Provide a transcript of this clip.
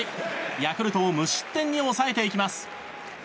ヤクルトを無失点に抑えていきます。